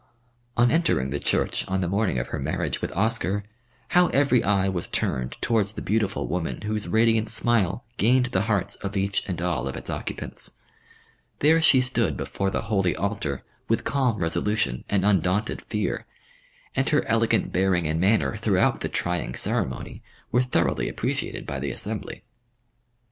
On entering the church on the morning of her marriage with Oscar, how every eye was turned towards the beautiful woman whose radiant smile gained the hearts of each and all of its occupants. There she stood before the holy altar with calm resolution and undaunted fear, and her elegant bearing and manner throughout the trying ceremony were thoroughly appreciated by the assembly.